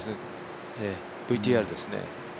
ＶＴＲですね。